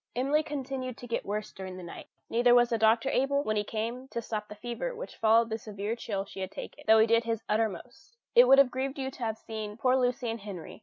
Emily continued to get worse during the night: neither was the doctor able, when he came, to stop the fever which followed the severe chill she had taken, though he did his uttermost. It would have grieved you to have seen poor Lucy and Henry.